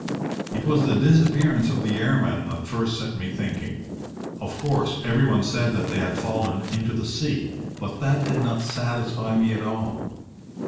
"It was the disappearance of the airmen that first set me thinking. Of course, every one said that they had fallen into the sea, but that did not satisfy me at all.